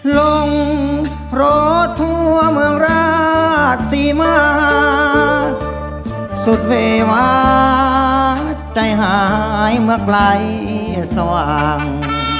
ลงเพราะทั่วเมืองราชศรีมาสุดเววาใจหายเมื่อไกลสว่าง